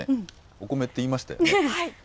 お米って言いましたよね。